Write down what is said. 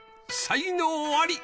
才能あり！